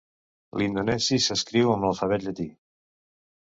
L'indonesi s'escriu amb l'alfabet llatí.